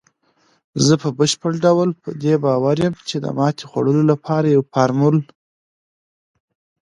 زه په بشپړ ډول په دې باور یم، چې د ماتې خوړلو لپاره یو فارمول